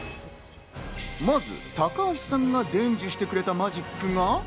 まず、高橋さんが伝授してくれたマジックが。